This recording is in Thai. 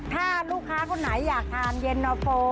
ถ้าลูกค้าคนไหนอยากทานเย็นนาโฟ